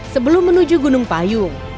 sebelum menuju gunung payung